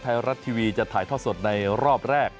ไทยรัฐทีวีจะถ่ายทอดสดในรอบแรก